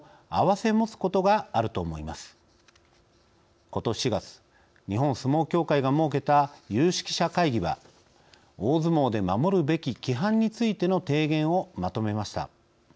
ことし４月日本相撲協会が設けた有識者会議は大相撲で守るべき規範についての提言をまとめました。